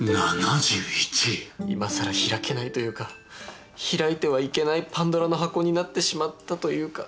いまさら開けないというか開いてはいけないパンドラの箱になってしまったというか。